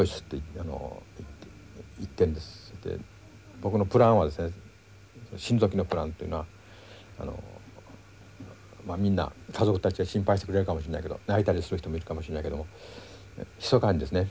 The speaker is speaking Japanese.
僕のプランはですね死ぬ時のプランっていうのはみんな家族たちは心配してくれるかもしんないけど泣いたりする人もいるかもしんないけどもひそかにですね